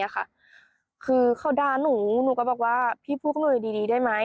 คือเขาด่าหนูหนูก็บอกว่าพี่พูดกับหนูอยู่ดีได้ไหม